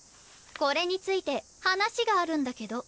これについて話があるんだけど。